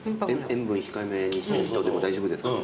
塩分控えめにしてる人でも大丈夫ですか？